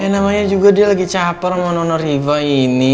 namanya juga dia lagi capar sama nono riva ini